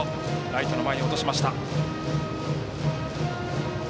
ライトの前に落としました。